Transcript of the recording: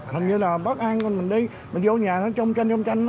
hình như là bất an mình đi mình vô nhà nó trong tranh trong tranh